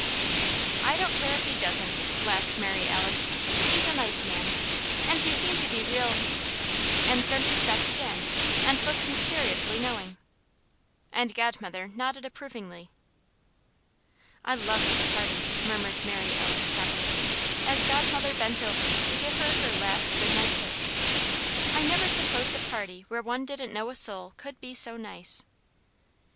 "I don't care if he doesn't," laughed Mary Alice; "he's a nice man, and he seemed to be real " And then she stopped again and looked mysteriously knowing. And Godmother nodded approvingly. "I loved the party," murmured Mary Alice, happily, as Godmother bent over to give her her last good night kiss. "I never supposed a party where one didn't know a soul could be so nice."